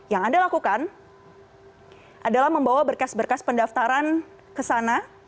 yang anda lakukan adalah membawa berkas berkas pendaftaran ke sana